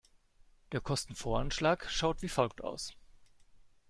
Der Kostenvoranschlag schaut wie folgt aus.